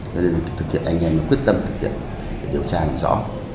cho nên thực hiện anh em quyết tâm thực hiện để điều tra làm rõ